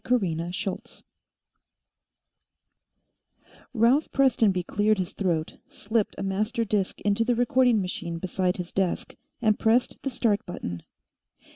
Ralph Prestonby cleared his throat, slipped a master disk into the recording machine beside his desk, and pressed the start button.